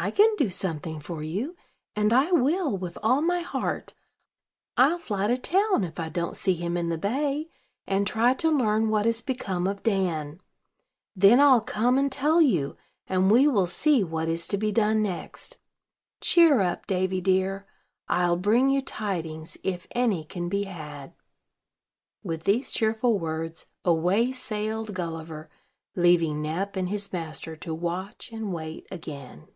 "I can do something for you; and I will, with all my heart. I'll fly to town, if I don't see him in the bay, and try to learn what has become of Dan. Then I'll come and tell you, and we will see what is to be done next. Cheer up, Davy dear: I'll bring you tidings, if any can be had." With these cheerful words, away sailed Gulliver, leaving Nep and his master to watch and wait again.